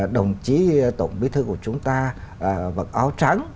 đồng chí tổng bí thư của chúng ta mặc áo trắng